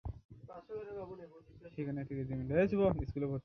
সেখানে একটি রেজিমেন্টাল স্কুলে ভর্তি হন।